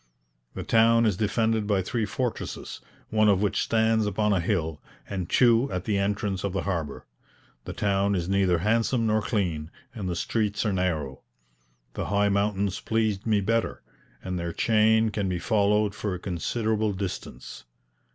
The town is defended by three fortresses, one of which stands upon a hill, and two at the entrance of the harbour. The town is neither handsome nor clean, and the streets are narrow. The high mountains pleased me better; and their chain can be followed for a considerable distance.